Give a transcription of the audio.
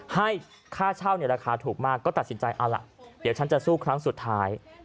ให้ค่าเช่าในราคาถูกมากก็ตัดสินใจเอาล่ะเดี๋ยวฉันจะสู้ครั้งสุดท้าย